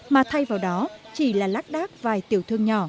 mà thay vào đó chỉ là lác đác vài tiểu thương nhỏ